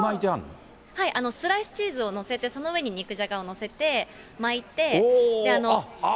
スライスチーズを載せて、その上に肉じゃがを載せて巻いて。